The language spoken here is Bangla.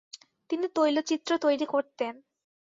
তিনি তৈলচিত্র তৈরি করতেন।